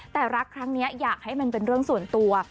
แต่รักครั้งนี้อยากให้มันเป็นเรื่องส่วนตัว